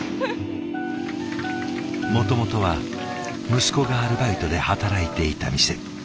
もともとは息子がアルバイトで働いていた店。